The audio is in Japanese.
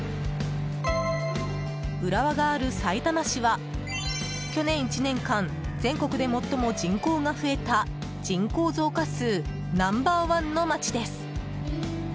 浦和がある、さいたま市は去年１年間全国で最も人口が増えた人口増加数ナンバー１の街です。